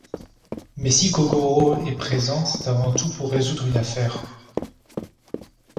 Mais si Kogoro est présent c'est avant tout pour résoudre une affaire.